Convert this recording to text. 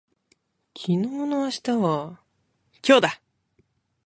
昨日の明日は今日だ